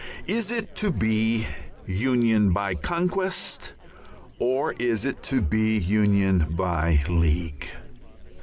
Is it to be union by conquest or is it to be union by league?